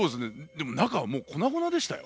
でも中はもう粉々でしたよ。